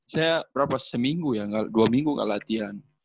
saya berapa seminggu ya dua minggu gak latihan